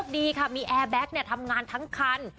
โชคดีแอ้แบคทำงานทั้งคัน